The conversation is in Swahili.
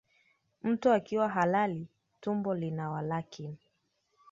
Mtu akiwa halali, tumbo lina walakini,